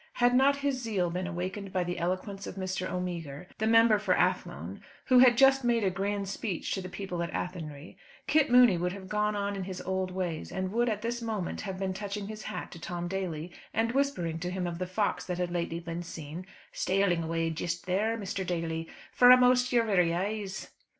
Had not his zeal been awakened by the eloquence of Mr. O'Meagher, the member for Athlone, who had just made a grand speech to the people at Athenry, Kit Mooney would have gone on in his old ways, and would at this moment have been touching his hat to Tom Daly, and whispering to him of the fox that had lately been seen "staling away jist there, Mr. Daly, 'fore a'most yer very eyes."